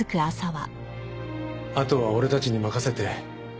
あとは俺たちに任せて。